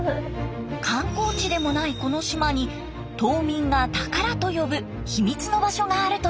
観光地でもないこの島に島民が宝と呼ぶ秘密の場所があるといいます。